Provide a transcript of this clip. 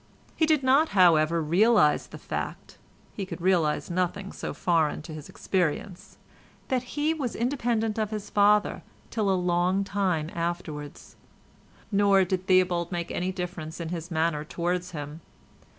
He did not, however, realise the fact (he could realise nothing so foreign to his experience) that he was independent of his father till a long time afterwards; nor did Theobald make any difference in his manner towards him.